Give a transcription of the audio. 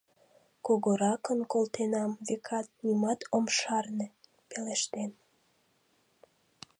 Кугуракын колтенам, векат, нимат ом шарне, — пелештен.